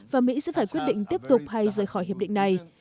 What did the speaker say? và mỹ sẽ phải quyết định tiếp tục hay rời khỏi hiệp định này